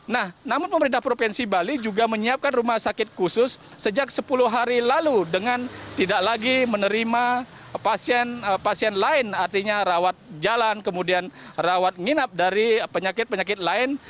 nah namun pemerintah provinsi bali juga menyiapkan rumah sakit khusus sejak sepuluh hari lalu dengan tidak lagi menerima pasien pasien lain artinya rawat jalan kemudian rawat nginap dari penyakit penyakit lain